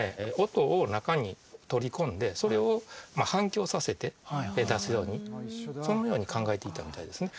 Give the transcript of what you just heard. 音を中に取り込んでそれを反響させて出すようにそのように考えていたみたいですね